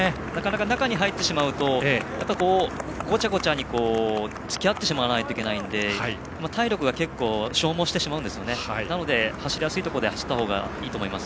中に入ってしまうとごちゃごちゃにつきあってしまわないといけないので体力が結構、消耗してしまうので走りやすいところで走った方がいいと思います。